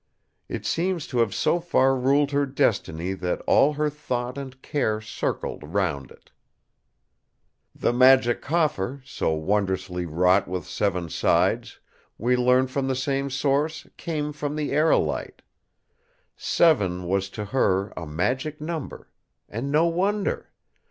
It seems to have so far ruled her destiny that all her thought and care circled round it. The Magic Coffer, so wondrously wrought with seven sides, we learn from the same source, came from the aerolite. Seven was to her a magic number; and no wonder.